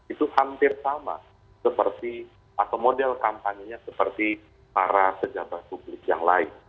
itu hampir sama seperti atau model kampanye nya seperti para sejabat publik yang lain